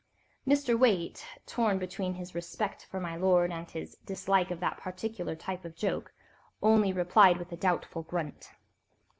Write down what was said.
Mr. Waite—torn between his respect for my lord and his dislike of that particular type of joke—only replied with a doubtful grunt.